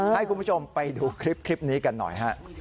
ให้คุณผู้ชมไปดูคลิปนี้กันหน่อยฮะ